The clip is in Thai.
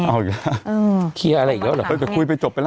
เอาอีกแล้วเคลียร์อะไรอีกแล้วเหรอก็จะคุยไปจบไปแล้ว